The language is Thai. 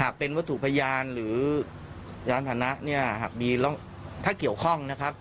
หากเป็นวัตถุพยานหรือร้านพนักเนี่ยถ้าเกี่ยวข้องนะครับ